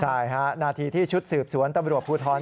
ใช่ฮะนาทีที่ชุดสืบสวนตำรวจภูทร